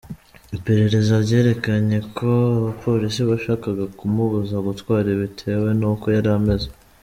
Iperereza ryerekanye ko abapolisi bashakaga kumubuza gutwara bitewe n’uko yari ameze.